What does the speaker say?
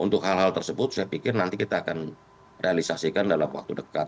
untuk hal hal tersebut saya pikir nanti kita akan realisasikan dalam waktu dekat